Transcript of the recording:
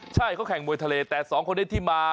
ใช่เขาแข่งมวยทะเลแต่สองคนนี้ที่มา